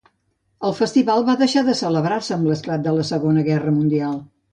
El festival va deixar de celebrar-se amb l'esclat de la Segona Guerra Mundial.